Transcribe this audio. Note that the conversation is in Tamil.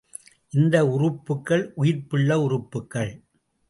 இந்த உறுப்புக்கள், உயிர்ப்புள்ள உறுப்புக்கள்!